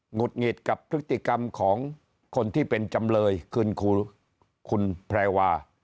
ุดหงิดกับพฤติกรรมของคนที่เป็นจำเลยคือคุณแพรวา